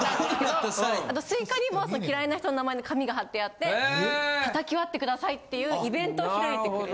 あとスイカにも嫌いな人の名前の紙が貼ってあって叩き割ってくださいっていうイベントを開いてくれた。